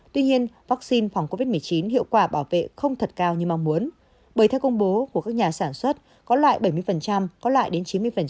tuy nhiên vaccine phòng covid một mươi chín hiệu quả bảo vệ không thật cao như mong muốn bởi theo công bố của các nhà sản xuất có loại bảy mươi có lại đến chín mươi